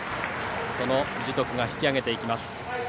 その樹徳も引き揚げていきます。